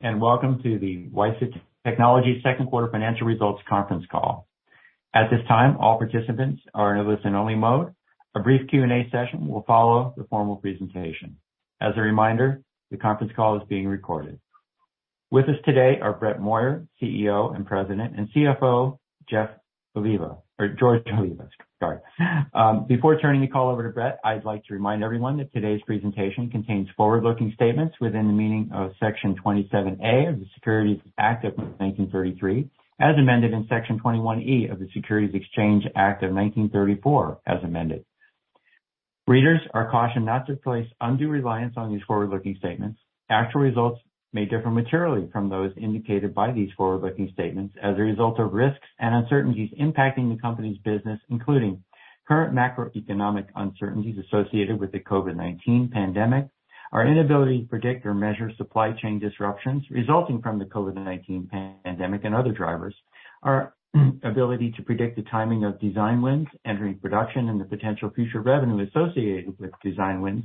Welcome to the WiSA Technologies Second Quarter Financial Results Conference Call. At this time, all participants are in a listen-only mode. A brief Q&A session will follow the formal presentation. As a reminder, the conference call is being recorded. With us today are Brett Moyer, CEO and President, and CFO George Oliva. Before turning the call over to Brett, I'd like to remind everyone that today's presentation contains forward-looking statements within the meaning of Section 27A of the Securities Act of 1933, as amended, and Section 21E of the Securities Exchange Act of 1934, as amended. Readers are cautioned not to place undue reliance on these forward-looking statements. Actual results may differ materially from those indicated by these forward-looking statements as a result of risks and uncertainties impacting the company's business, including current macroeconomic uncertainties associated with the COVID-19 pandemic, our inability to predict or measure supply chain disruptions resulting from the COVID-19 pandemic and other drivers, our ability to predict the timing of design wins entering production and the potential future revenue associated with design wins,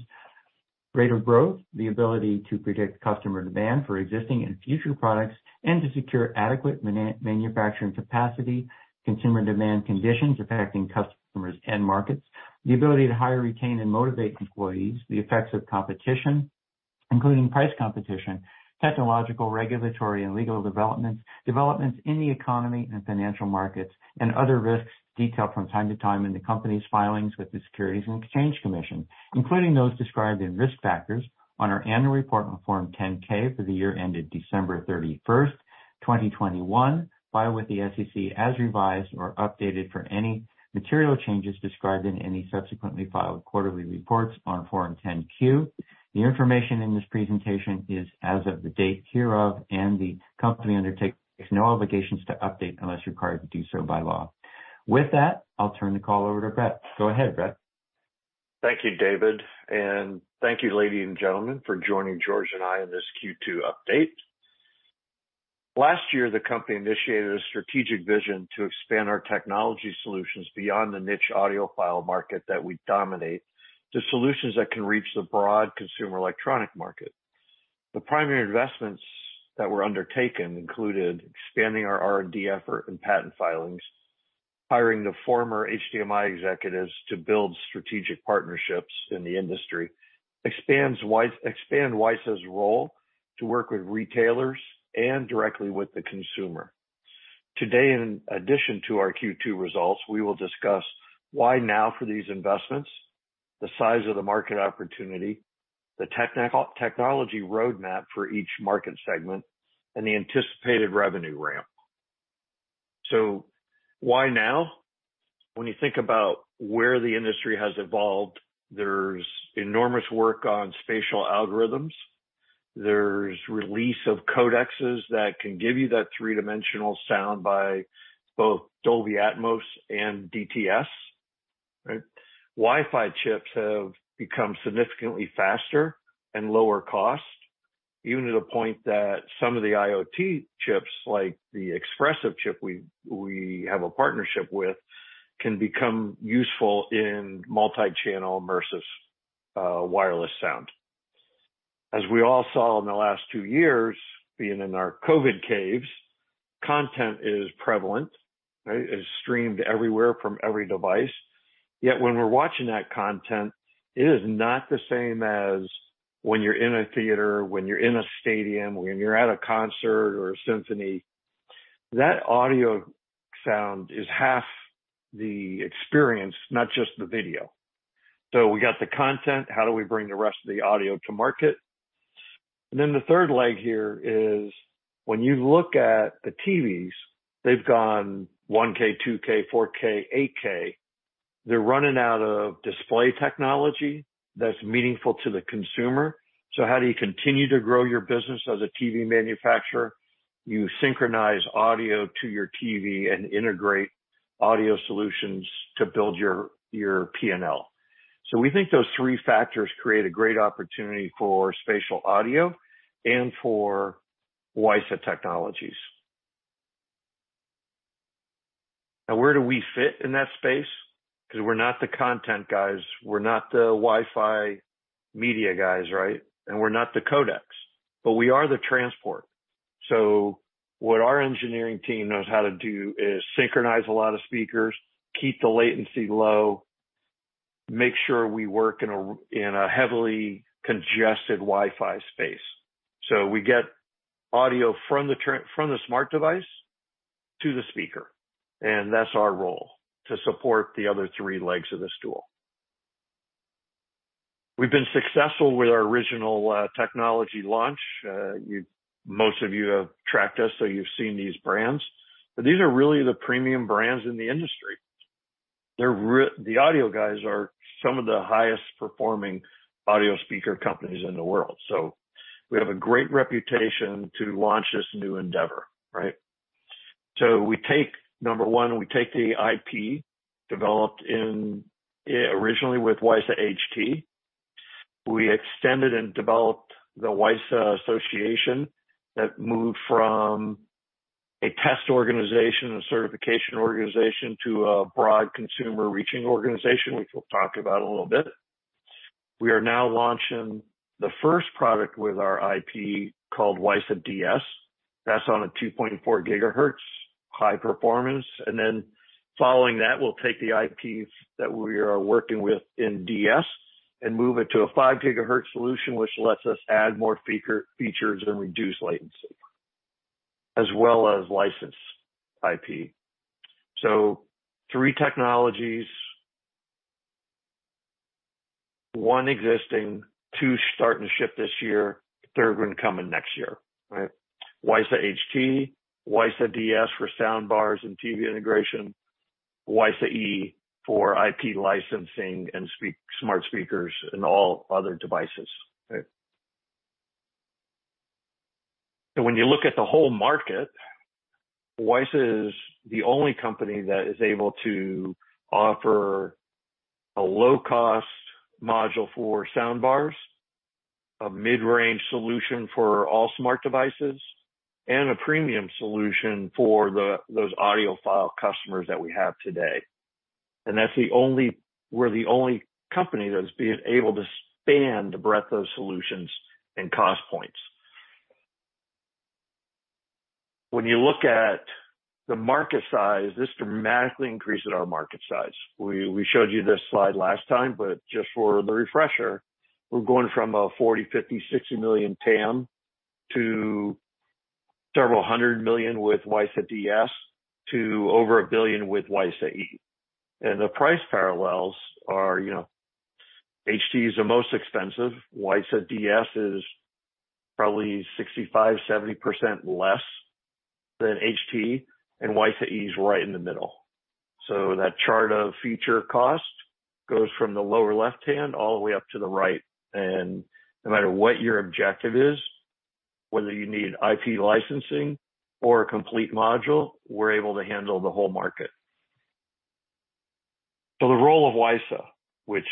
rate of growth, the ability to predict customer demand for existing and future products, and to secure adequate manufacturing capacity, consumer demand conditions affecting customers' end markets, the ability to hire, retain, and motivate employees, the effects of competition, including price competition, technological, regulatory, and legal developments in the economy and financial markets, and other risks detailed from time to time in the company's filings with the Securities and Exchange Commission, including those described in Risk Factors on our annual report on Form 10-K for the year ended December 31, 2021, filed with the SEC as revised or updated for any material changes described in any subsequently filed quarterly reports on Form 10-Q. The information in this presentation is as of the date hereof, and the company undertakes no obligations to update unless required to do so by law. With that, I'll turn the call over to Brett. Go ahead, Brett. Thank you, David, and thank you, ladies and gentlemen, for joining George and I on this Q2 update. Last year, the company initiated a strategic vision to expand our technology solutions beyond the niche audiophile market that we dominate to solutions that can reach the broad consumer electronics market. The primary investments that were undertaken included expanding our R&D effort and patent filings, hiring the former HDMI executives to build strategic partnerships in the industry, expand WiSA's role to work with retailers and directly with the consumer. Today, in addition to our Q2 results, we will discuss why now for these investments, the size of the market opportunity, the technology roadmap for each market segment, and the anticipated revenue ramp. Why now? When you think about where the industry has evolved, there's enormous work on spatial algorithms. There's release of codecs that can give you that three-dimensional sound by both Dolby Atmos and DTS, right? Wi-Fi chips have become significantly faster and lower cost, even to the point that some of the IoT chips, like the Espressif chip we have a partnership with, can become useful in multi-channel immersive wireless sound. As we all saw in the last two years, being in our COVID caves, content is prevalent, right? It's streamed everywhere from every device. Yet when we're watching that content, it is not the same as when you're in a theater, when you're in a stadium, when you're at a concert or a symphony. That audio sound is half the experience, not just the video. We got the content. How do we bring the rest of the audio to market? Then the third leg here is when you look at the TVs, they've gone 1K, 2K, 4K, 8K. They're running out of display technology that's meaningful to the consumer. How do you continue to grow your business as a TV manufacturer? You synchronize audio to your TV and integrate audio solutions to build your P&L. We think those three factors create a great opportunity for spatial audio and for WiSA Technologies. Now, where do we fit in that space? 'Cause we're not the content guys, we're not the Wi-Fi media guys, right? And we're not the codecs. But we are the transport. What our engineering team knows how to do is synchronize a lot of speakers, keep the latency low, make sure we work in a heavily congested Wi-Fi space. We get audio from the smart device to the speaker, and that's our role, to support the other three legs of the stool. We've been successful with our original technology launch. Most of you have tracked us, so you've seen these brands. These are really the premium brands in the industry. They're the audio guys, some of the highest performing audio speaker companies in the world. We have a great reputation to launch this new endeavor, right? We take, number one, the IP developed originally with WiSA HT. We extended and developed the WiSA Association that moved from a test organization, a certification organization to a broad consumer-reaching organization, which we'll talk about a little bit. We are now launching the first product with our IP called WiSA DS. That's on a 2.4 GHz high performance. Then following that, we'll take the IPs that we are working with in DS and move it to a 5 GHz solution, which lets us add more features and reduce latency, as well as license IP. Three technologies, one existing, two start and ship this year, third one coming next year, right? WiSA HT, WiSA DS for soundbars and TV integration, WiSA E for IP licensing and smart speakers and all other devices, right? When you look at the whole market, WiSA is the only company that is able to offer a low-cost module for soundbars, a mid-range solution for all smart devices, and a premium solution for those audiophile customers that we have today. That's the only. We're the only company that's being able to span the breadth of solutions and cost points. When you look at the market size, this dramatically increases our market size. We showed you this slide last time, but just for the refresher, we're going from a 40 million, 50 million, 60 million TAM to several hundred million with WiSA DS to over 1 billion with WiSA E. The price parallels are, you know, HT is the most expensive. WiSA DS is probably 65%, 70% less than HT, and WiSA E is right in the middle. That chart of feature cost goes from the lower left-hand all the way up to the right. No matter what your objective is, whether you need IP licensing or a complete module, we're able to handle the whole market. The role of WiSA, which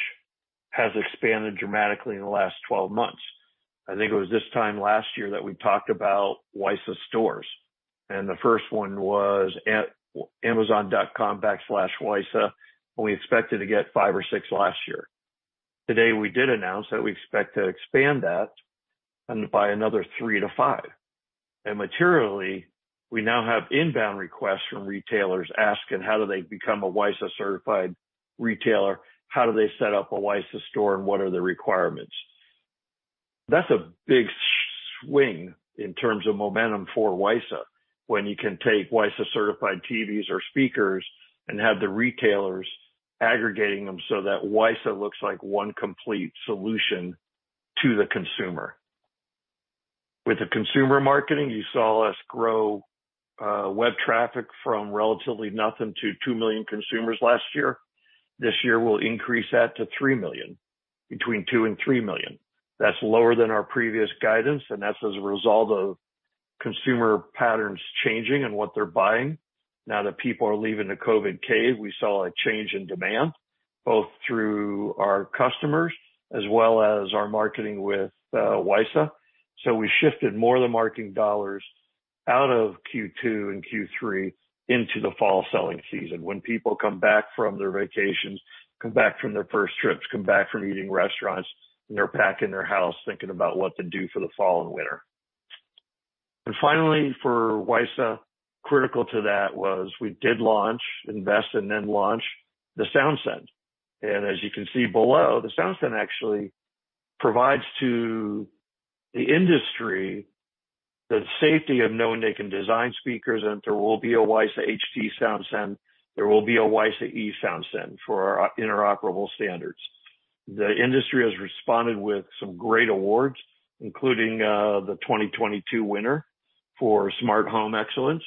has expanded dramatically in the last 12 months. I think it was this time last year that we talked about WiSA stores, and the first one was at Amazon.com/WiSA, and we expected to get 5 or 6 last year. Today, we did announce that we expect to expand that and buy another 3-5. Materially, we now have inbound requests from retailers asking how do they become a WiSA-certified retailer, how do they set up a WiSA store, and what are the requirements. That's a big swing in terms of momentum for WiSA when you can take WiSA-certified TVs or speakers and have the retailers aggregating them so that WiSA looks like one complete solution to the consumer. With the consumer marketing, you saw us grow web traffic from relatively nothing to 2 million consumers last year. This year, we'll increase that to 3 million, between 2 and 3 million. That's lower than our previous guidance, and that's as a result of consumer patterns changing and what they're buying. Now that people are leaving the COVID cave, we saw a change in demand, both through our customers as well as our marketing with WiSA. We shifted more of the marketing dollars out of Q2 and Q3 into the fall selling season, when people come back from their vacations, come back from their first trips, come back from eating restaurants, and they're back in their house thinking about what to do for the fall and winter. Finally, for WiSA, critical to that was we did invest and then launch the SoundSend. As you can see below, the SoundSend actually provides to the industry the safety of knowing they can design speakers, and there will be a WiSA HT SoundSend, there will be a WiSA E SoundSend for our interoperable standards. The industry has responded with some great awards, including the 2022 winner for smart home excellence.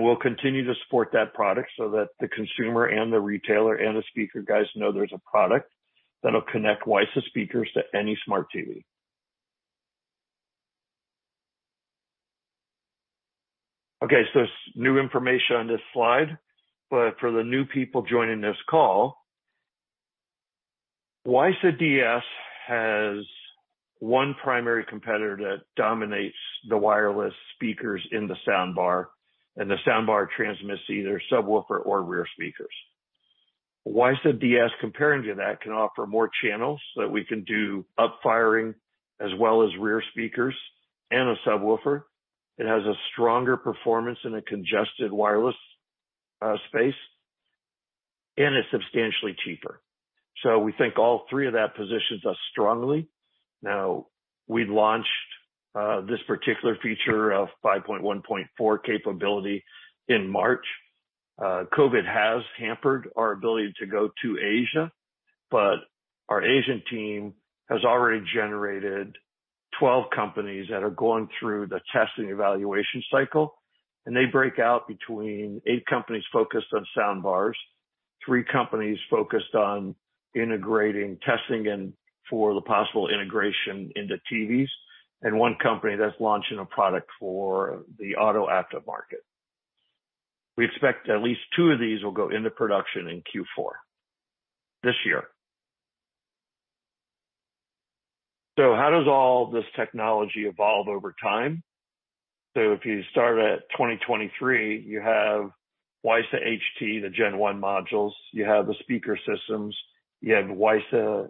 We'll continue to support that product so that the consumer and the retailer and the speaker guys know there's a product that'll connect WiSA speakers to any smart TV. Okay, there's new information on this slide, but for the new people joining this call, WiSA DS has one primary competitor that dominates the wireless speakers in the soundbar, and the soundbar transmits either subwoofer or rear speakers. WiSA DS, comparing to that, can offer more channels, so that we can do up-firing as well as rear speakers and a subwoofer. It has a stronger performance in a congested wireless space, and it's substantially cheaper. We think all three of that positions us strongly. Now, we launched this particular feature of 5.1.4 capability in March. COVID has hampered our ability to go to Asia, but our Asian team has already generated 12 companies that are going through the test and evaluation cycle, and they break out between 8 companies focused on soundbars, 3 companies focused on integrating, testing and for the possible integration into TVs, and 1 company that's launching a product for the auto after-market. We expect at least 2 of these will go into production in Q4 this year. How does all this technology evolve over time? If you start at 2023, you have WiSA HT, the Gen 1 modules, you have the speaker systems, you have WiSA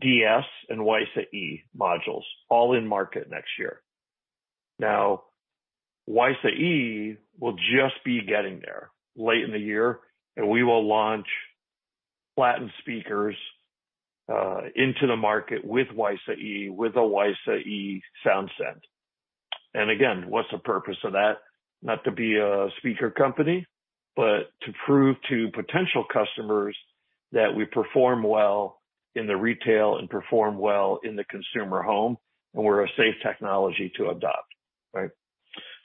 DS, and WiSA E modules all in market next year. Now, WiSA E will just be getting there late in the year, and we will launch Platin speakers into the market with WiSA E, with a WiSA E SoundSend. Again, what's the purpose of that? Not to be a speaker company, but to prove to potential customers that we perform well in the retail and perform well in the consumer home, and we're a safe technology to adopt, right?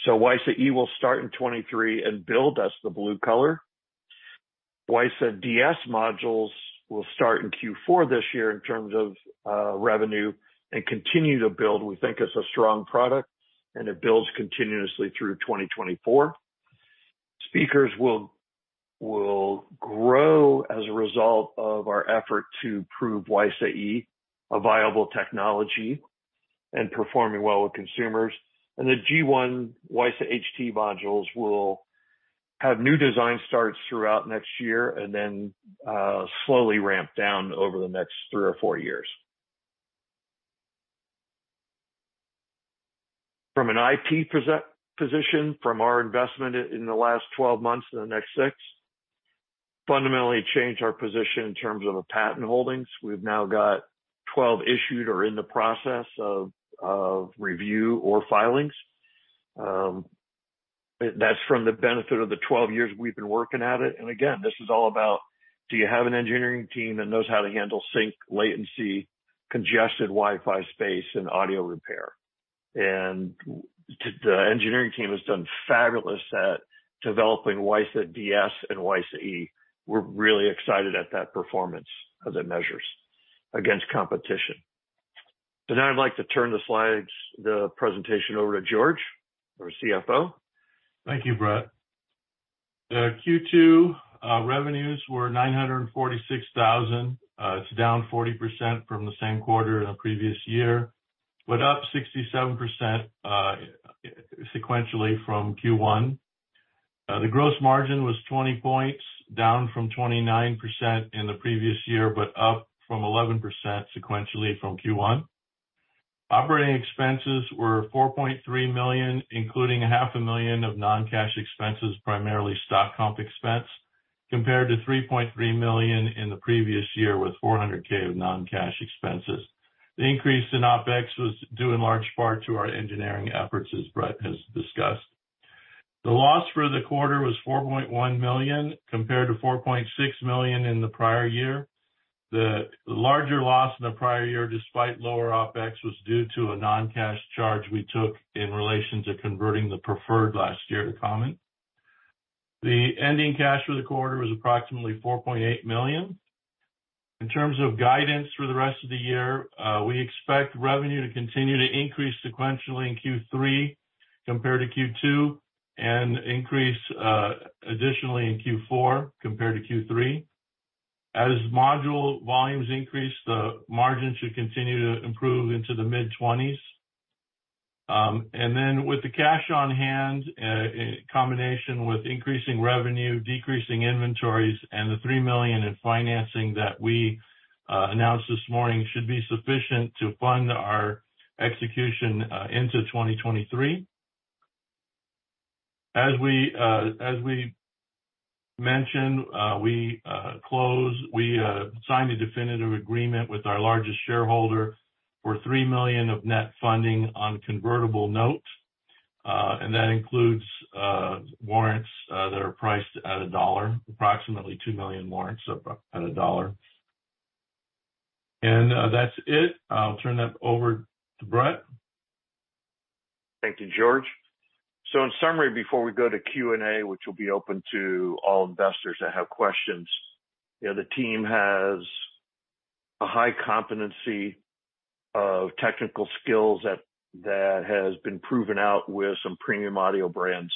WiSA E will start in 2023 and build as the blue color. WiSA DS modules will start in Q4 this year in terms of revenue and continue to build. We think it's a strong product, and it builds continuously through 2024. Speakers will grow as a result of our effort to prove WiSA E a viable technology and performing well with consumers. The G1 WiSA HT modules will have new design starts throughout next year and then slowly ramp down over the next 3 or 4 years. From an IP position, from our investment in the last 12 months and the next 6, fundamentally changed our position in terms of the patent holdings. We've now got 12 issued or in the process of review or filings. That's from the benefit of the 12 years we've been working at it. This is all about, do you have an engineering team that knows how to handle sync, latency, congested Wi-Fi space, and audio repair? The engineering team has done fabulous at developing WiSA DS and WiSA E. We're really excited at that performance as it measures against competition. Now I'd like to turn the slides, the presentation over to George, our CFO. Thank you, Brett. The Q2 revenues were $946,000. It's down 40% from the same quarter in the previous year, but up 67% sequentially from Q1. The gross margin was 20 points, down from 29% in the previous year, but up from 11% sequentially from Q1. Operating expenses were $4.3 million, including half a million of non-cash expenses, primarily stock comp expense, compared to $3.3 million in the previous year, with $400K of non-cash expenses. The increase in OpEx was due in large part to our engineering efforts, as Brett has discussed. The loss for the quarter was $4.1 million, compared to $4.6 million in the prior year. The larger loss in the prior year, despite lower OpEx, was due to a non-cash charge we took in relation to converting the preferred last year to common. The ending cash for the quarter was approximately $4.8 million. In terms of guidance for the rest of the year, we expect revenue to continue to increase sequentially in Q3 compared to Q2 and increase additionally in Q4 compared to Q3. As module volumes increase, the margin should continue to improve into the mid-20s%. With the cash on hand, in combination with increasing revenue, decreasing inventories, and the $3 million in financing that we announced this morning should be sufficient to fund our execution into 2023. As we mentioned, we closed... We signed a definitive agreement with our largest shareholder for $3 million of net funding on convertible notes, and that includes warrants that are priced at $1, approximately 2 million warrants at $1. That's it. I'll turn that over to Brett. Thank you, George. In summary, before we go to Q&A, which will be open to all investors that have questions, you know, the team has a high competency of technical skills that has been proven out with some premium audio brands.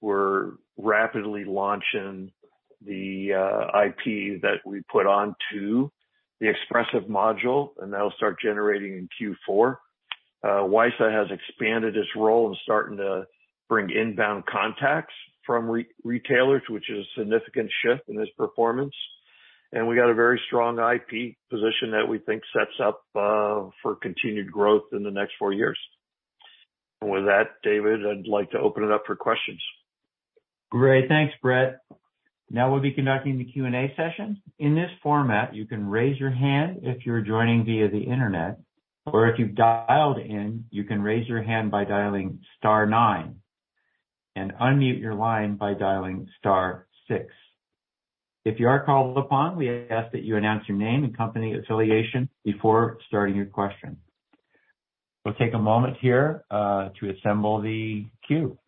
We're rapidly launching the IP that we put onto the Espressif module, and that'll start generating in Q4. WiSA has expanded its role and starting to bring inbound contacts from retailers, which is a significant shift in this performance. We got a very strong IP position that we think sets up for continued growth in the next four years. With that, David, I'd like to open it up for questions. Great. Thanks, Brett. Now we'll be conducting the Q&A session. In this format, you can raise your hand if you're joining via the Internet, or if you've dialed in, you can raise your hand by dialing star nine and unmute your line by dialing star six. If you are called upon, we ask that you announce your name and company affiliation before starting your question. We'll take a moment here to assemble the queue.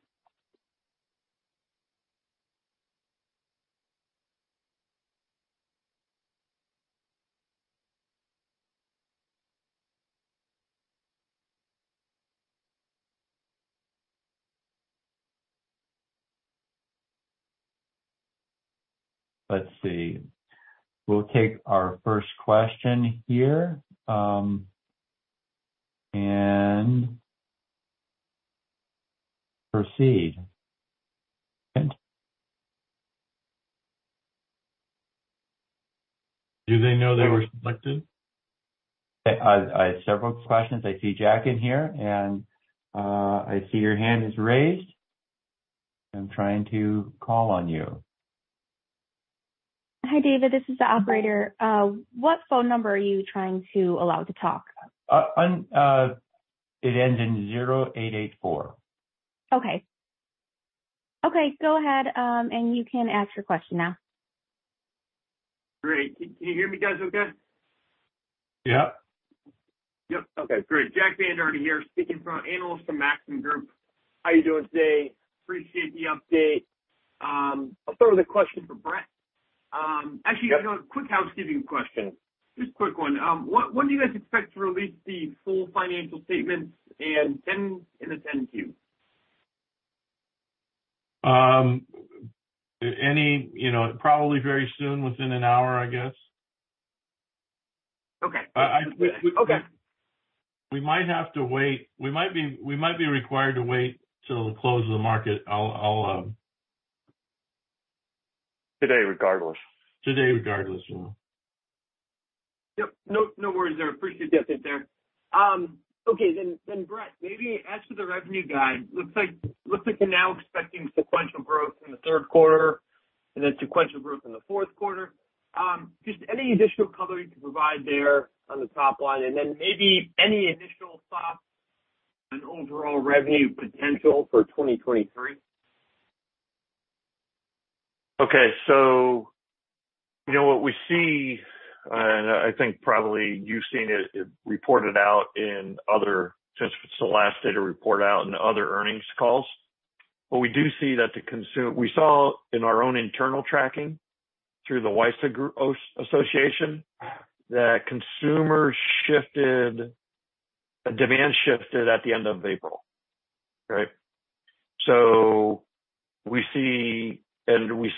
Let's see. We'll take our first question here, and proceed. Do they know they were selected? I have several questions. I see Jack in here, and I see your hand is raised. I'm trying to call on you. Hi, David, this is the operator. What phone number are you trying to allow to talk? It ends in 0884. Okay, go ahead, and you can ask your question now. Great. Can you hear me, guys? Okay? Yeah. Yep. Okay, great. Jack Vander Aarde here, analyst from Maxim Group. How are you doing today? Appreciate the update. I'll throw the question for Brett. Yep. I got a quick housekeeping question. Just a quick one. When do you guys expect to release the full financial statements and the 10-Q? You know, probably very soon, within an hour, I guess. Okay. I- Okay. We might have to wait. We might be required to wait till the close of the market. I'll Today regardless. Today regardless, yeah. Yep. No, no worries there. Appreciate the update there. Okay. Then Brett, maybe as far as the revenue guide, looks like you're now expecting sequential growth in the third quarter and then sequential growth in the fourth quarter. Just any additional color you can provide there on the top line? Maybe any initial thoughts on overall revenue potential for 2023? Okay. You know what we see, and I think probably you've seen it reported out in other earnings calls since it's the last data report out in other earnings calls. We saw in our own internal tracking through the WiSA Association that consumers shifted, demand shifted at the end of April. Right? We see and we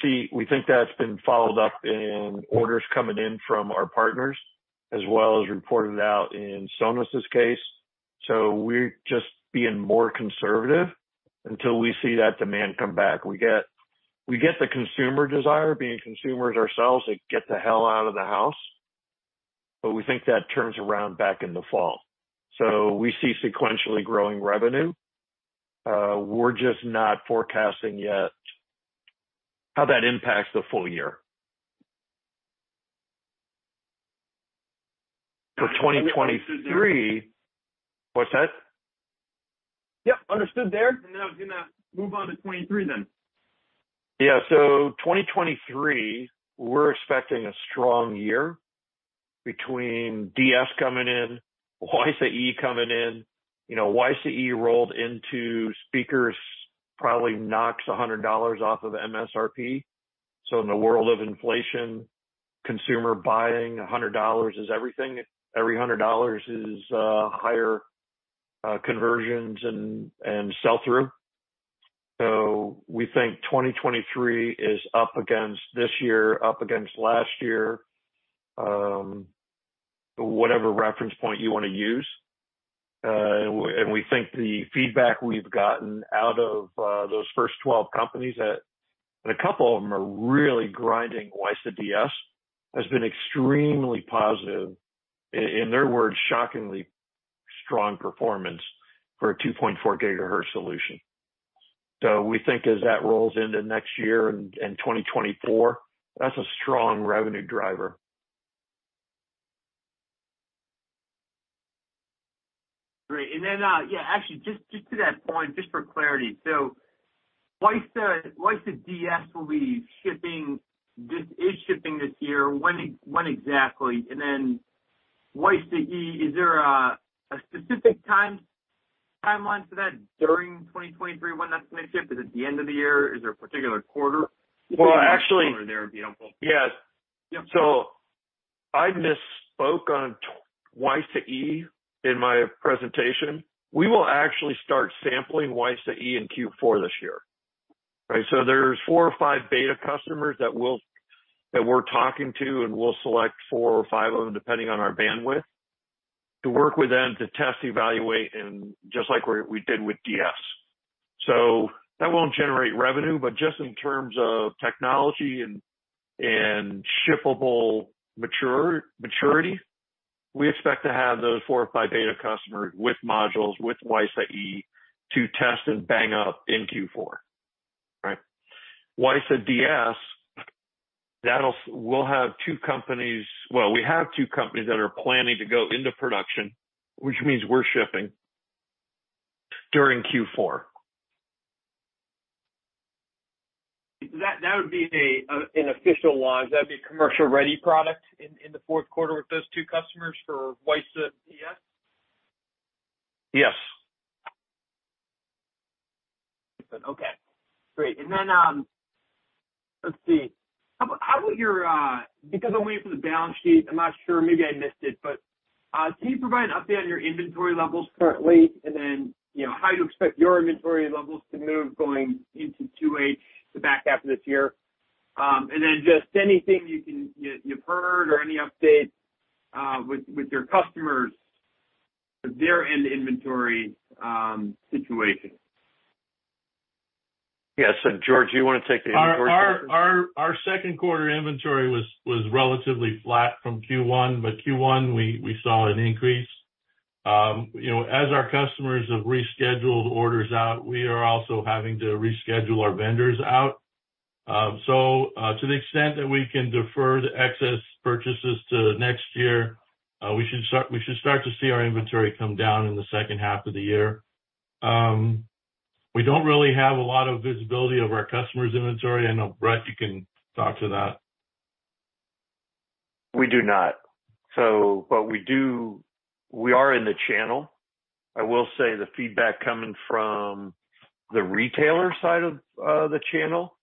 think that's been followed up in orders coming in from our partners as well as reported out in Sonos' case. We're just being more conservative until we see that demand come back. We get the consumer desire, being consumers ourselves, to get the hell out of the house, but we think that turns around back in the fall. We see sequentially growing revenue. We're just not forecasting yet how that impacts the full year. For 2023- Understood there. What's that? Yep, understood there. I was gonna move on to 2023 then. Yeah. 2023, we're expecting a strong year between DS coming in, WiSA E coming in. You know, WiSA E rolled into speakers probably knocks $100 off of MSRP. In a world of inflation, consumer buying, $100 is everything. Every $100 is higher conversions and sell through. We think 2023 is up against this year, up against last year, whatever reference point you wanna use. We think the feedback we've gotten out of those first 12 companies, and a couple of them are really grinding WiSA DS, has been extremely positive. In their words, shockingly strong performance for a 2.4 GHz solution. We think as that rolls into next year and 2024, that's a strong revenue driver. Great. Actually, just for clarity. WiSA DS is shipping this year. When exactly? WiSA E, is there a specific timeline for that during 2023 when that's gonna ship? Is it the end of the year? Is there a particular quarter? Well, actually. There would be helpful. Yes. Yep. I misspoke on the WiSA E in my presentation. We will actually start sampling WiSA E in Q4 this year. Right? There's four or five beta customers that we're talking to, and we'll select four or five of them, depending on our bandwidth, to work with them to test, evaluate, and just like we did with DS. That won't generate revenue. Just in terms of technology and shippable maturity, we expect to have those four or five beta customers with modules, with WiSA E to test and bang up in Q4. Right? WiSA DS, that'll. We'll have two companies that are planning to go into production, which means we're shipping during Q4. That would be an official launch. That'd be a commercially ready product in the fourth quarter with those two customers for WiSA-DS? Yes. Okay. Great. Let's see. Because I'm waiting for the balance sheet, I'm not sure, maybe I missed it, but can you provide an update on your inventory levels currently? You know, how you expect your inventory levels to move going into 2H, the back half of this year? Just anything you've heard or any updates with your customers, their end inventory situation. Yes. George, do you wanna take the inventory question? Our second quarter inventory was relatively flat from Q1, but Q1 we saw an increase. You know, as our customers have rescheduled orders out, we are also having to reschedule our vendors out. To the extent that we can defer the excess purchases to next year, we should start to see our inventory come down in the second half of the year. We don't really have a lot of visibility of our customers' inventory. I know, Brett, you can talk to that. We do not. We are in the channel. I will say the feedback coming from the retailer side of the channel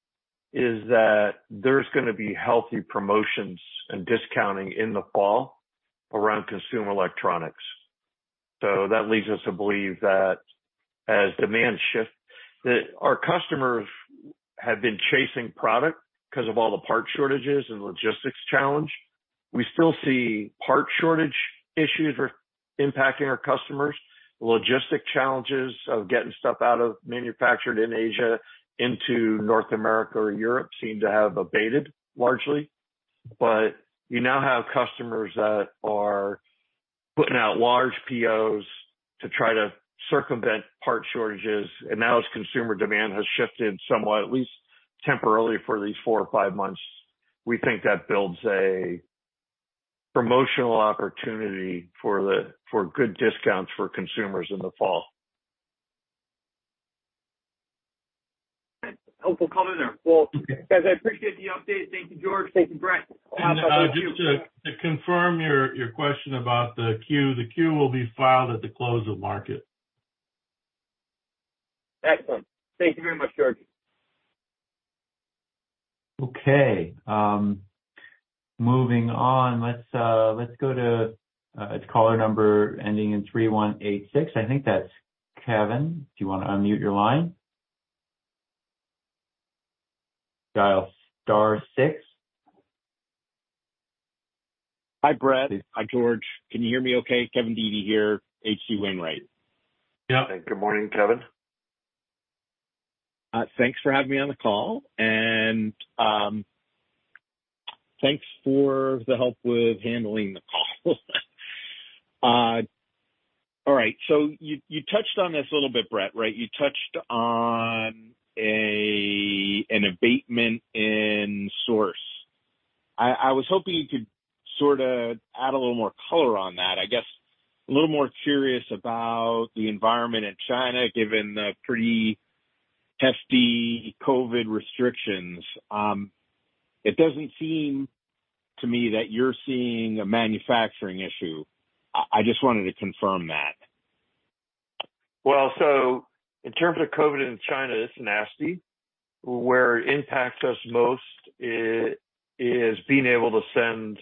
is that there's gonna be healthy promotions and discounting in the fall around consumer electronics. That leads us to believe that as demand shifts, that our customers have been chasing product 'cause of all the part shortages and logistics challenge. We still see part shortage issues are impacting our customers. Logistic challenges of getting stuff out of manufactured in Asia into North America or Europe seem to have abated largely. You now have customers that are putting out large POs to try to circumvent part shortages. Now as consumer demand has shifted somewhat, at least temporarily for these four or five months, we think that builds a promotional opportunity for good discounts for consumers in the fall. Helpful comment there. Well, Okay. Guys, I appreciate the update. Thank you, George. Thank you, Brett. Just to confirm your question about the Q will be filed at the close of market. Excellent. Thank you very much, George. Okay, moving on. Let's go to caller number ending in 3186. I think that's Kevin. Do you wanna unmute your line? Dial star six. Hi, Brett. Hi, George. Can you hear me okay? Kevin Dede here, H.C. Wainwright. Yeah. Good morning, Kevin. Thanks for having me on the call, and thanks for the help with handling the call. All right. You touched on this a little bit, Brett, right? You touched on an abatement in sourcing. I was hoping you could sorta add a little more color on that. I guess a little more curious about the environment in China, given the pretty hefty COVID restrictions. It doesn't seem to me that you're seeing a manufacturing issue. I just wanted to confirm that. Well, in terms of COVID in China, it's nasty. Where it impacts us most is being able to send,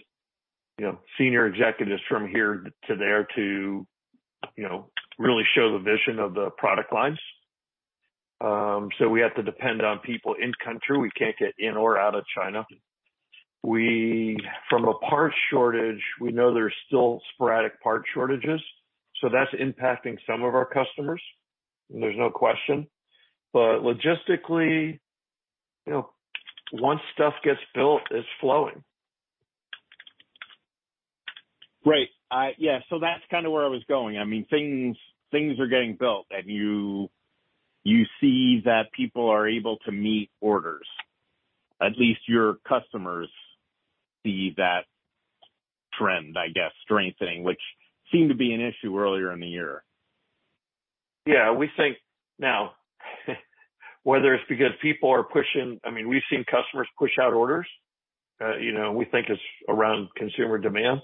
you know, senior executives from here to there to, you know, really show the vision of the product lines. We have to depend on people in-country. We can't get in or out of China. From a parts shortage, we know there's still sporadic part shortages, so that's impacting some of our customers, and there's no question. Logistically, you know, once stuff gets built, it's flowing. Right. Yeah, so that's kinda where I was going. I mean, things are getting built, and you see that people are able to meet orders. At least your customers see that trend, I guess, strengthening, which seemed to be an issue earlier in the year. Yeah. We think now, whether it's because people are pushing. I mean, we've seen customers push out orders, you know, we think it's around consumer demand.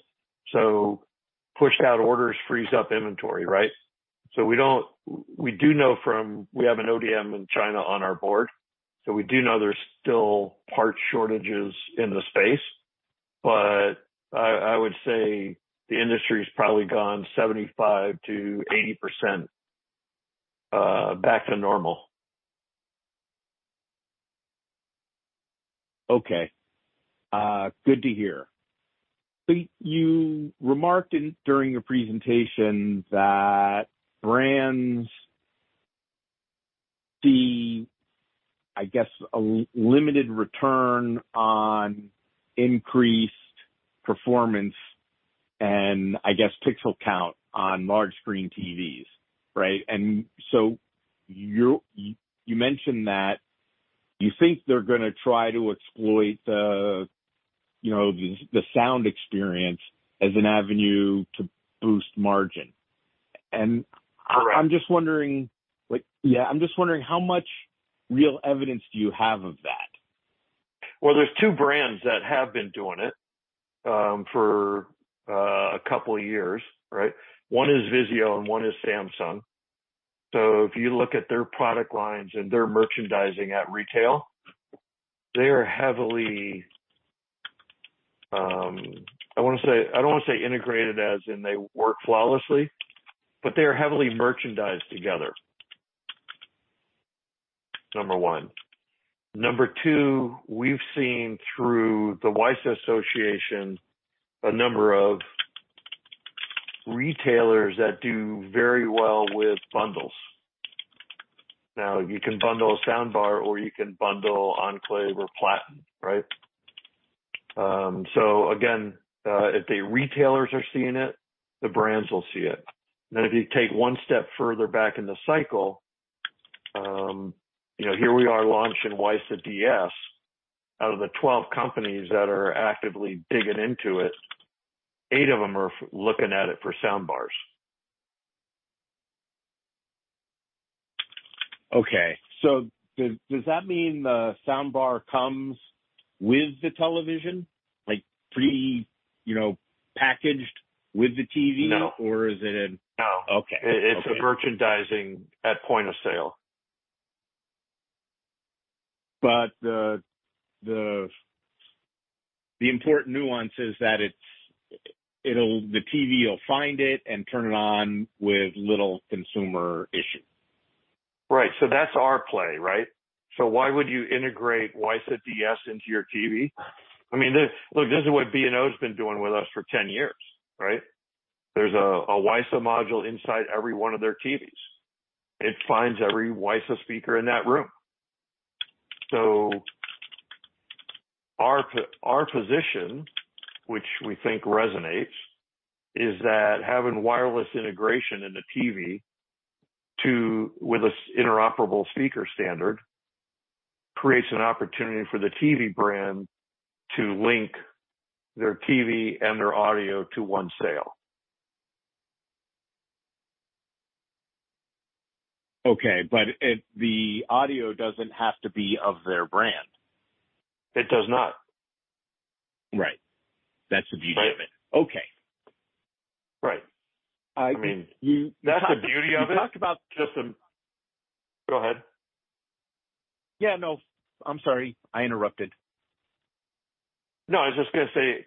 Pushed out orders frees up inventory, right? We do know from. We have an ODM in China on our board, so we do know there's still part shortages in the space. I would say the industry's probably gone 75%-80% back to normal. Okay. Good to hear. You remarked during your presentation that brands see, I guess, a limited return on increased performance and I guess pixel count on large screen TVs, right? You mentioned that you think they're gonna try to exploit the, you know, the sound experience as an avenue to boost margin. Correct. I'm just wondering how much real evidence do you have of that? Well, there's two brands that have been doing it for a couple of years, right? One is VIZIO and one is Samsung. If you look at their product lines and their merchandising at retail. They are heavily. I don't wanna say integrated as in they work flawlessly, but they are heavily merchandised together, number one. Number two, we've seen through the WiSA Association, a number of retailers that do very well with bundles. Now, you can bundle a soundbar or you can bundle Enclave or Platin, right? Again, if the retailers are seeing it, the brands will see it. If you take one step further back in the cycle, you know, here we are launching WiSA DS. Out of the 12 companies that are actively digging into it, 8 of them are looking at it for soundbars. Does that mean the soundbar comes with the television? Like you know, packaged with the TV? No. Or is it a- No. Okay. It's a merchandising at point of sale. The important nuance is that the TV will find it and turn it on with little consumer issue. Right. That's our play, right? Why would you integrate WiSA DS into your TV? I mean, look, this is what B&O's been doing with us for 10 years, right? There's a WiSA module inside every one of their TVs. It finds every WiSA speaker in that room. Our position, which we think resonates, is that having wireless integration in the TV with an interoperable speaker standard creates an opportunity for the TV brand to link their TV and their audio to one sale. Okay, the audio doesn't have to be of their brand. It does not. Right. That's the beauty of it. Right. Okay. Right. I- I mean. You, you- That's the beauty of it. You talked about just. Go ahead. Yeah, no, I'm sorry, I interrupted. No, I was just gonna say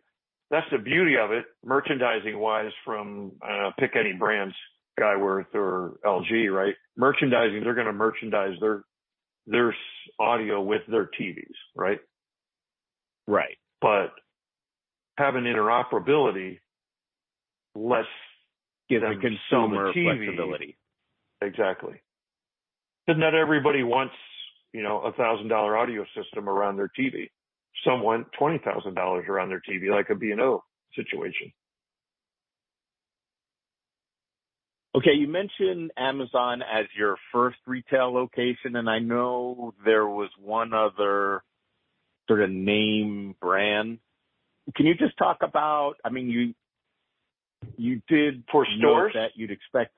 that's the beauty of it, merchandising-wise from pick any brands, Skyworth or LG, right? Merchandising, they're gonna merchandise their surround audio with their TVs, right? Right. Having interoperability lets them sell the TV- Give the consumer flexibility. Exactly. Not everybody wants, you know, a 1,000-dollar audio system around their TV. Some want $20,000 around their TV, like a B&O situation. Okay, you mentioned Amazon as your first retail location, and I know there was one other sort of name brand. Can you just talk about, I mean, you did- For stores? more that you'd expect.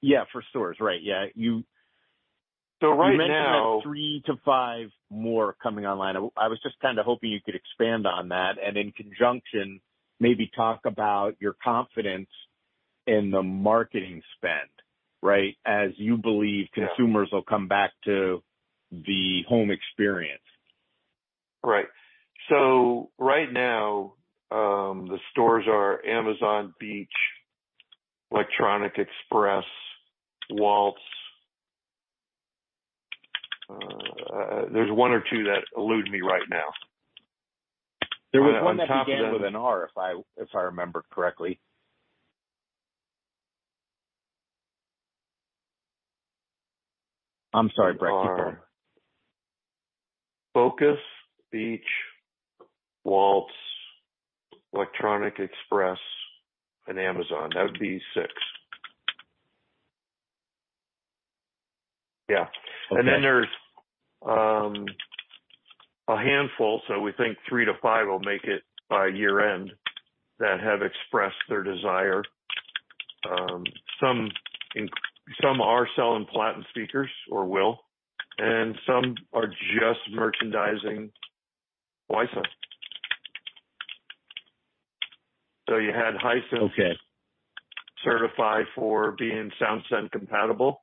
Yeah, for stores, right. Yeah, you- Right now. You mentioned that 3-5 more coming online. I was just kinda hoping you could expand on that and in conjunction, maybe talk about your confidence in the marketing spend, right? Yeah. Consumers will come back to the home experience. Right. Right now, the stores are Amazon, Beach, Electronic Express, Walt's. There's one or two that elude me right now. There was one that began with an R, if I remember correctly. I'm sorry, Brett, keep going. Focus, Beach, Walts, Electronic Express, and Amazon. That would be 6. Yeah. Okay. There's a handful, so we think 3-5 will make it by year-end, that have expressed their desire. Some are selling Platin speakers, or will, and some are just merchandising WiSA. You had Hisense- Okay. WiSA-certified for being SoundSend compatible.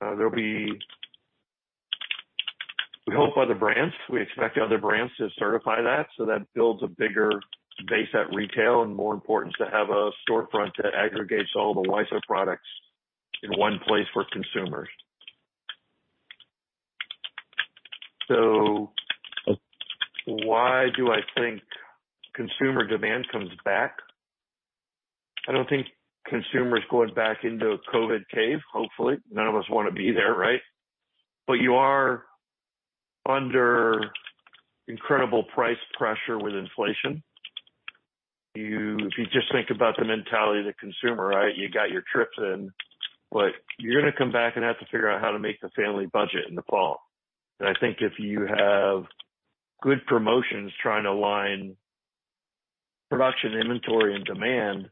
There'll be, we expect other brands to certify that, so that builds a bigger base at retail and more important to have a storefront that aggregates all the WiSA products in one place for consumers. Why do I think consumer demand comes back? I don't think consumer is going back into a COVID cave, hopefully. None of us wanna be there, right? You are under incredible price pressure with inflation. If you just think about the mentality of the consumer, right? You got your trips in, but you're gonna come back and have to figure out how to make the family budget in the fall. I think if you have good promotions trying to align production inventory and demand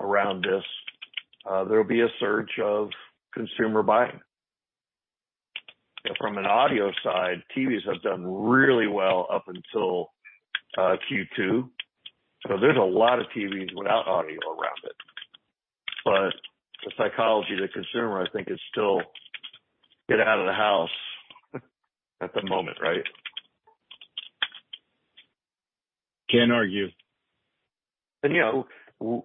around this, there'll be a surge of consumer buying. From an audio side, TVs have done really well up until Q2. There's a lot of TVs without audio around it. The psychology of the consumer, I think, is still get out of the house at the moment, right? Can't argue. You know,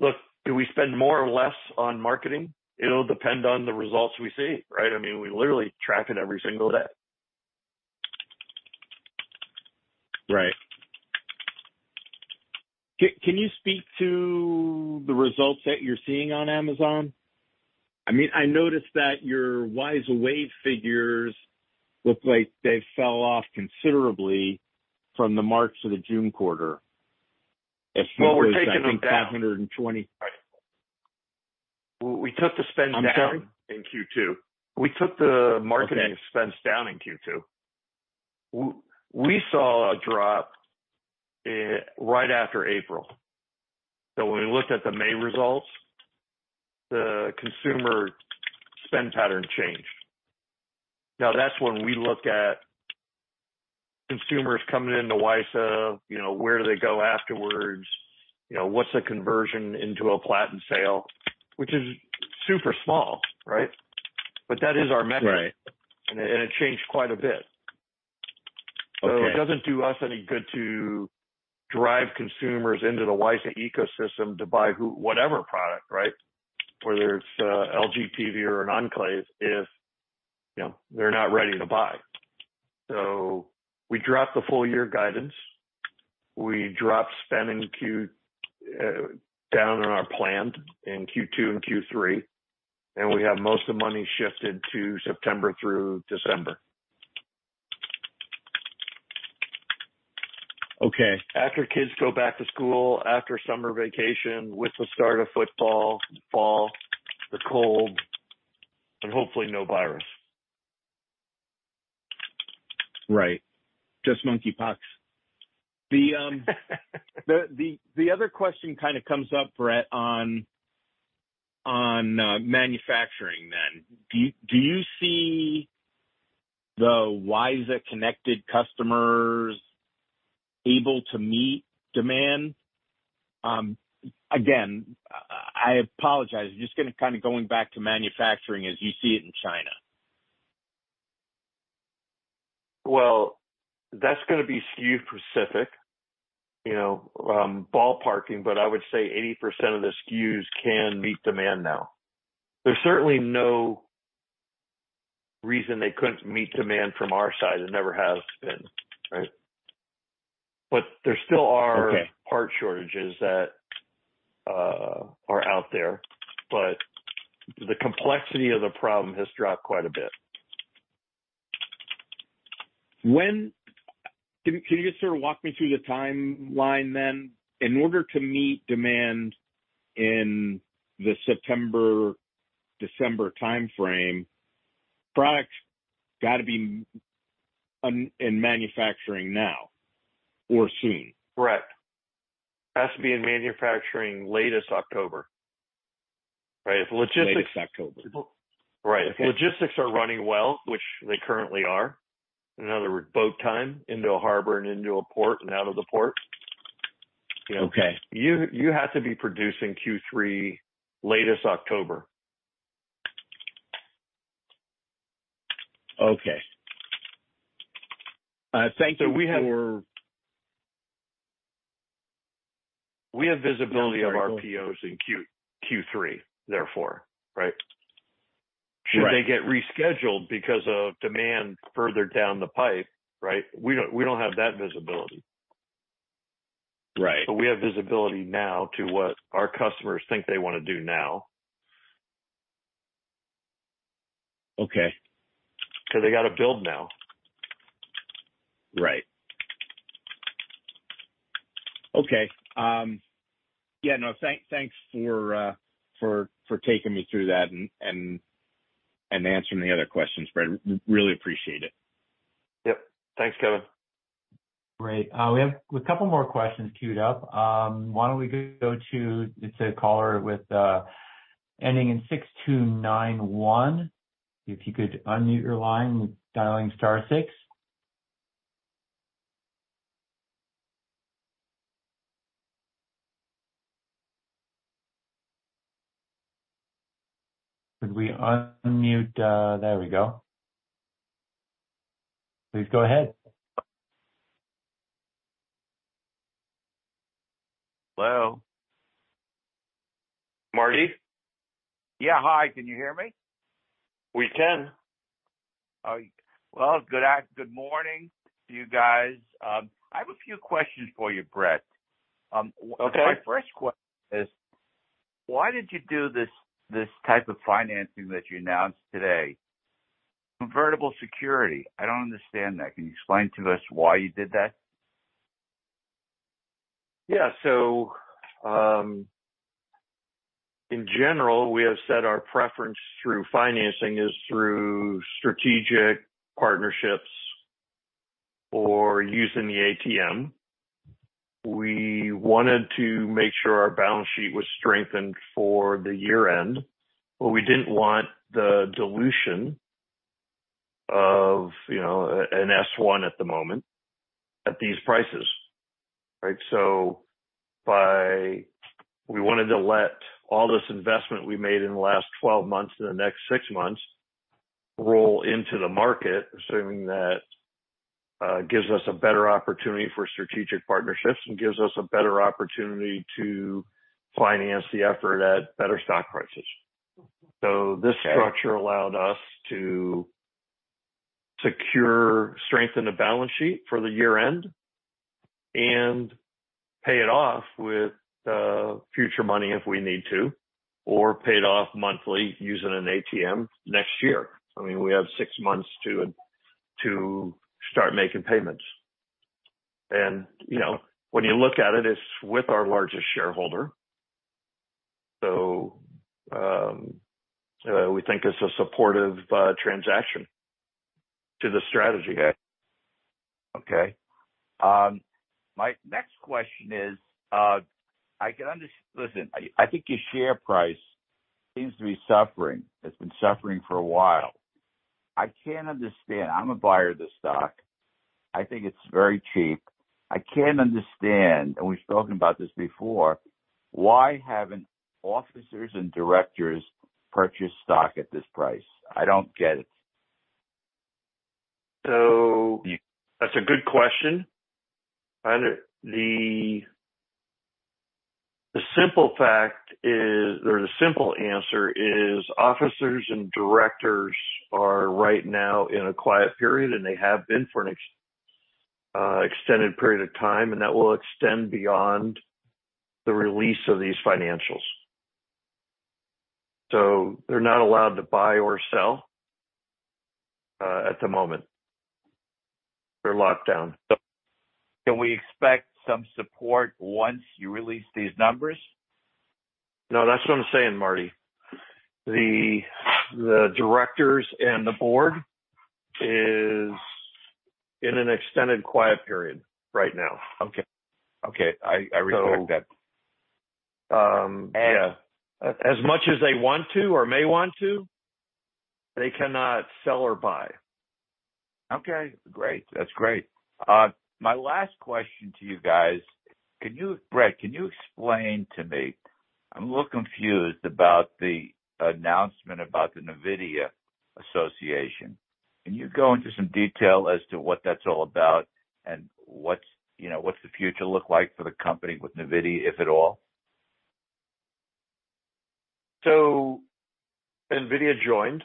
look, do we spend more or less on marketing? It'll depend on the results we see, right? I mean, we literally track it every single day. Right. Can you speak to the results that you're seeing on Amazon? I mean, I noticed that your WiSA Wave figures look like they fell off considerably from the March to the June quarter. If it was- Well, we're taking them down. I think 220. Right. We took the spend down. I'm sorry? in Q2. We took the Okay. Marketing expense down in Q2. We saw a drop right after April. When we looked at the May results, the consumer spend pattern changed. Now, that's when we look at consumers coming into WiSA, you know, where do they go afterwards? You know, what's the conversion into a Platin sale? Which is super small, right? That is our metric. Right. It changed quite a bit. Okay. It doesn't do us any good to drive consumers into the WiSA ecosystem to buy whatever product, right? Whether it's LG TV or an Enclave, if you know, they're not ready to buy. We dropped the full year guidance. We dropped spending down on our plan in Q2 and Q3, and we have most of the money shifted to September through December. Okay. After kids go back to school, after summer vacation, with the start of football, fall, the cold, and hopefully no virus. Right. Just monkeypox. The other question kinda comes up, Brett, on manufacturing then. Do you see the WiSA connected customers able to meet demand? Again, I apologize, just gonna kinda go back to manufacturing as you see it in China. Well, that's gonna be SKU specific, you know. Ballparking, but I would say 80% of the SKUs can meet demand now. There's certainly no reason they couldn't meet demand from our side and never have been, right? Okay. Part shortages that are out there, but the complexity of the problem has dropped quite a bit. Can you just sort of walk me through the timeline then? In order to meet demand in the September, December timeframe, products gotta be in manufacturing now or soon. Correct. Has to be in manufacturing latest October. Right? If logistics. Latest October. Right. Okay. If logistics are running well, which they currently are. In other words, boat time into a harbor and into a port and out of the port, you know? Okay. You have to be producing Q3 latest October. Okay. Thank you for- We have visibility of our POs in Q3, therefore, right? Right. Should they get rescheduled because of demand further down the pipe, right? We don't have that visibility. Right. We have visibility now to what our customers think they wanna do now. Okay. 'Cause they gotta build now. Right. Okay. Yeah, no, thanks for taking me through that and answering the other questions, Brett. Really appreciate it. Yep. Thanks, Kevin. Great. We have a couple more questions queued up. Why don't we go to, it's a caller with ending in six two nine one. If you could unmute your line, dialing star six. Could we unmute? There we go. Please go ahead. Hello. Marty? Yeah. Hi. Can you hear me? We can. Oh, well, good morning to you guys. I have a few questions for you, Brett. Okay. My first question is: Why did you do this type of financing that you announced today? Convertible security, I don't understand that. Can you explain to us why you did that? Yeah. In general, we have said our preference through financing is through strategic partnerships or using the ATM. We wanted to make sure our balance sheet was strengthened for the year end, but we didn't want the dilution of, you know, an S-1 at the moment at these prices, right? We wanted to let all this investment we made in the last 12 months, in the next 6 months, roll into the market, assuming that gives us a better opportunity for strategic partnerships and gives us a better opportunity to finance the effort at better stock prices. Okay. This structure allowed us to secure strength in the balance sheet for the year-end and pay it off with future money if we need to, or pay it off monthly using an ATM next year. I mean, we have six months to start making payments. You know, when you look at it's with our largest shareholder. We think it's a supportive transaction to the strategy. Okay. My next question is, listen, I think your share price seems to be suffering. It's been suffering for a while. I can't understand. I'm a buyer of the stock. I think it's very cheap. I can't understand, and we've spoken about this before, why haven't officers and directors purchased stock at this price? I don't get it. That's a good question. The simple answer is, officers and directors are right now in a quiet period, and they have been for an extended period of time, and that will extend beyond the release of these financials. They're not allowed to buy or sell at the moment. They're locked down. Can we expect some support once you release these numbers? No, that's what I'm saying, Marty. The directors and the board is in an extended quiet period right now. Okay. I respect that. Yeah, as much as they want to or may want to, they cannot sell or buy. Okay, great. That's great. My last question to you guys, Brett, can you explain to me, I'm a little confused about the announcement about the Nvidia association. Can you go into some detail as to what that's all about and what's, you know, what's the future look like for the company with Nvidia, if at all? Nvidia joined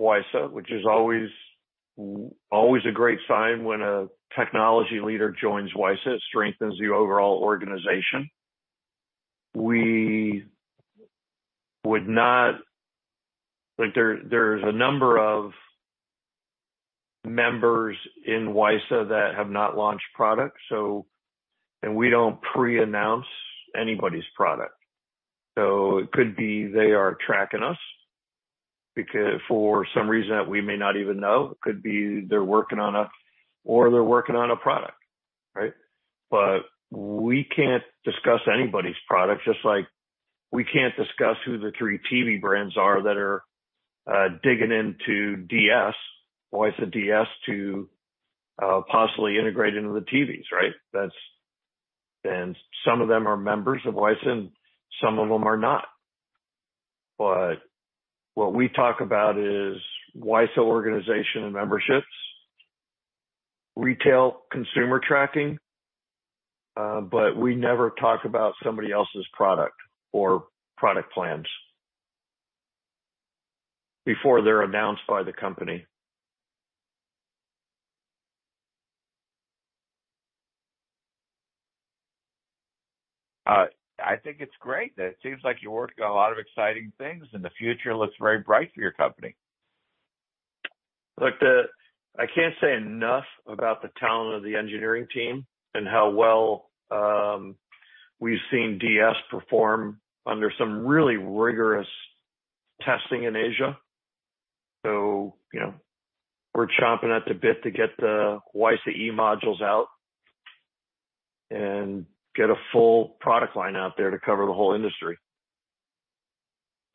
WiSA, which is always a great sign when a technology leader joins WiSA. It strengthens the overall organization. Like, there is a number of members in WiSA that have not launched products. We don't pre-announce anybody's product. It could be they are tracking us because for some reason that we may not even know. It could be they're working on us or they're working on a product, right? But we can't discuss anybody's product, just like we can't discuss who the three TV brands are that are digging into DS, WiSA DS, to possibly integrate into the TVs, right? Some of them are members of WiSA, and some of them are not. What we talk about is WiSA organization and memberships, retail consumer tracking, but we never talk about somebody else's product or product plans before they're announced by the company. I think it's great. It seems like you're working on a lot of exciting things, and the future looks very bright for your company. Look, I can't say enough about the talent of the engineering team and how well we've seen DS perform under some really rigorous testing in Asia. You know, we're chomping at the bit to get the WiSA E modules out and get a full product line out there to cover the whole industry.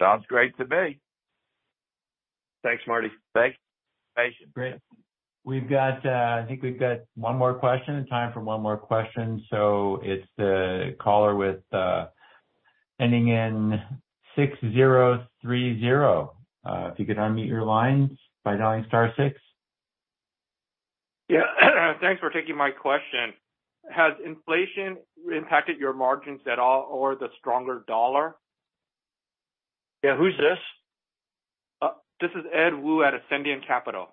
Sounds great to me. Thanks, Marty. Thanks. Appreciate it. Great. We've got, I think we've got one more question, time for one more question. It's the caller with ending in 6030. If you could unmute your lines by dialing star six. Yeah. Thanks for taking my question. Has inflation impacted your margins at all, or the stronger dollar? Yeah. Who's this? This is Edward Wu at Ascendiant Capital.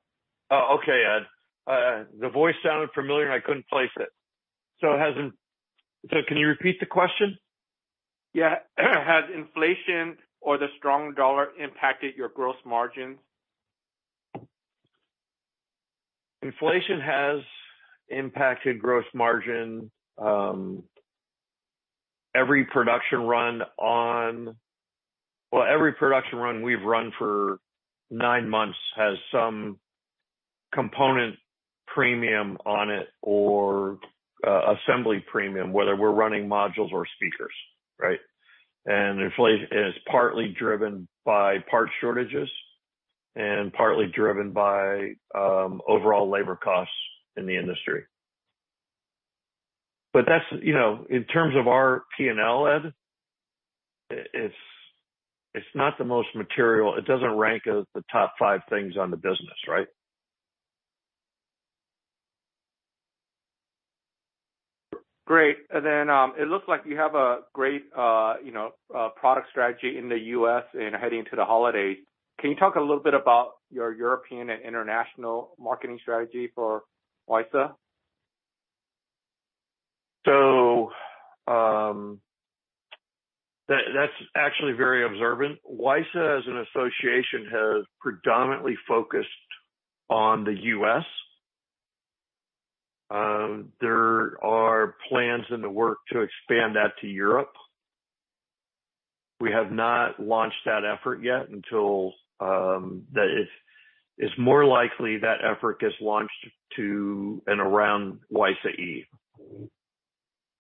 Oh, okay, Ed. The voice sounded familiar, and I couldn't place it. Can you repeat the question? Yeah. Has inflation or the strong dollar impacted your gross margins? Inflation has impacted gross margin. Every production run we've run for nine months has some component premium on it or assembly premium, whether we're running modules or speakers, right? Inflation is partly driven by part shortages and partly driven by overall labor costs in the industry. That's, you know, in terms of our P&L, Ed, it's not the most material. It doesn't rank as the top five things on the business, right? Great. It looks like you have a great, you know, product strategy in the U.S. and heading into the holidays. Can you talk a little bit about your European and international marketing strategy for WiSA? That's actually very observant. WiSA as an association has predominantly focused on the U.S. There are plans in the works to expand that to Europe. We have not launched that effort yet until it's more likely that effort gets launched too and around WiSA E,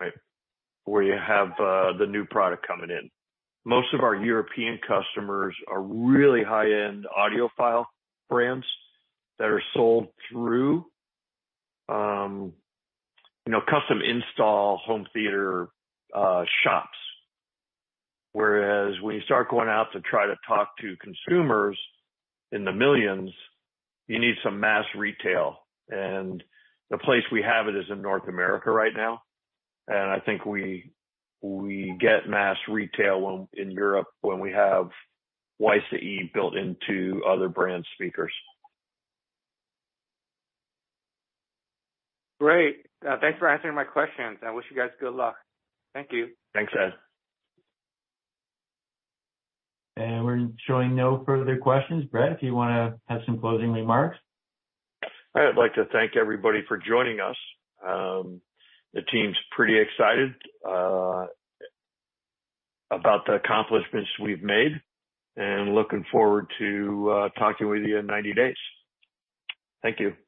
right, where you have the new product coming in. Most of our European customers are really high-end audiophile brands that are sold through, you know, custom install home theater shops, whereas when you start going out to try to talk to consumers in the millions, you need some mass retail. The place we have it is in North America right now, and I think we get mass retail in Europe when we have WiSA E built into other brand speakers. Great. Thanks for answering my questions. I wish you guys good luck. Thank you. Thanks, Ed. We're showing no further questions. Brett, do you wanna have some closing remarks? I'd like to thank everybody for joining us. The team's pretty excited about the accomplishments we've made and looking forward to talking with you in 90 days. Thank you.